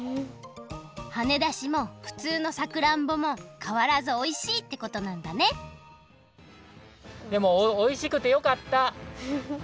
はねだしもふつうのさくらんぼもかわらずおいしいってことなんだねでもおいしくてよかった。